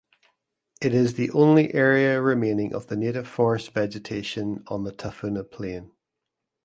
It is the only area remaining of native forest vegetation on the Tafuna Plain.